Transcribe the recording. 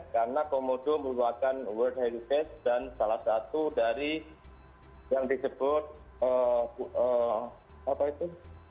karena komodo merupakan world heritage dan salah satu dari yang disebut apa itu